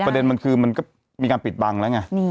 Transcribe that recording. ประเด็นมันคือมันก็มีการปิดบังแล้วไง